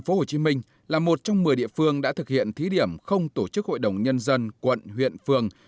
tp hcm là một trong một mươi địa phương đã thực hiện thí điểm không tổ chức hội đồng nhân dân quận huyện phường